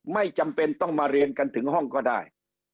ไม่จำเป็นต้องมาเรียนกันถึงห้องก็ได้